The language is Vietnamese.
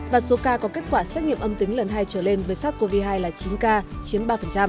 và số ca có kết quả xét nghiệm âm tính lần hai trở lên với sars cov hai là chín ca chiếm ba